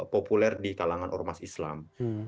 populer di kalangan ormas islam